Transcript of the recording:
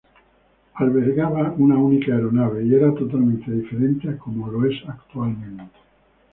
Albergaba una única aeronave, y era totalmente diferente a como es actualmente.